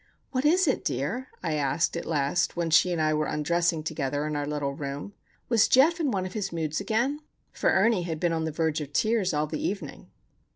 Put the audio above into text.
"What is it, dear?" I asked, at last, when she and I were undressing together in our little room. "Was Geof in one of his moods again?" For Ernie had been on the verge of tears all the evening.